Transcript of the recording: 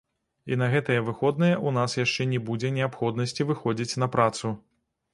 І на гэтыя выходныя ў нас яшчэ не будзе неабходнасці выходзіць на працу.